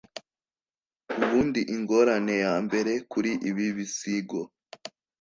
ubundi, ingorane ya mbere kuri ibi bisigo,